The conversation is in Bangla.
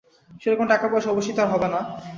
সেরকম টাকা পয়সা অবশ্যি তার হবে না।